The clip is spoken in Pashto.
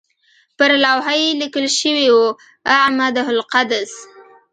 پر لوحه یې لیکل شوي وو اعمده القدس.